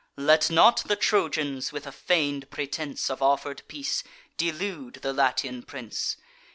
Let not the Trojans, with a feign'd pretence Of proffer'd peace, delude the Latian prince.